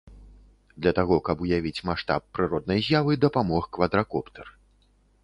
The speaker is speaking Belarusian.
Для таго, каб уявіць маштаб прыроднай з'явы, дапамог квадракоптэр.